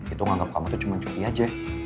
itu nganggap kamu tuh cuma cuti aja